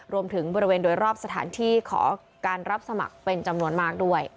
บริเวณโดยรอบสถานที่ขอการรับสมัครเป็นจำนวนมากด้วย